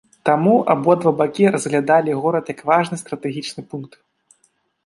Таму абодва бакі разглядалі горад як важны стратэгічны пункт.